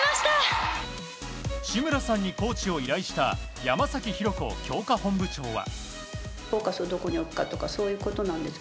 志村さんにコーチを依頼した山崎浩子強化本部長は。